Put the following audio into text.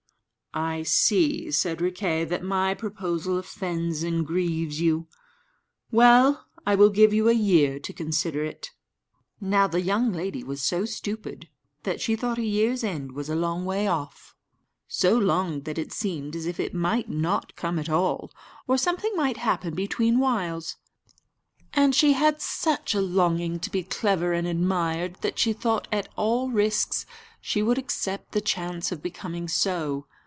"I see," said Riquet, "that my proposal offends and grieves you. Well, I will give you a year to consider it." Now the young lady was so stupid that she thought a year's end was a long way off so long that it seemed as if it might not come at all, or something might happen between whiles. And she had such a longing to be clever and admired that she thought at all risks she would accept the chance of becoming so.